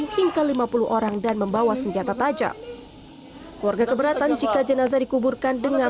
hingga lima puluh orang dan membawa senjata tajam keluarga keberatan jika jenazah dikuburkan dengan